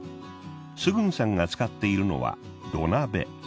スグンさんが使っているのは土鍋。